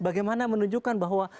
bagaimana menunjukkan bahwa